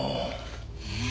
えっ？